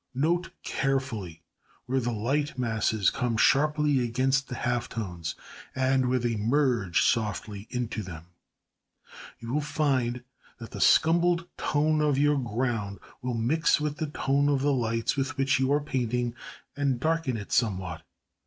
Note carefully where the light masses come sharply against the half tones and where they merge softly into them. You will find that the scumbled tone of your ground will mix with the tone of the lights with which you are painting, and darken it somewhat.